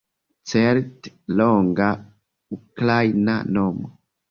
Certe longa Ukraina nomo